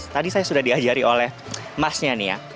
tadi saya sudah diajari oleh masnya nih ya